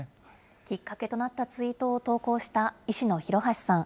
きっかけとなったツイートを投稿した医師の廣橋さん。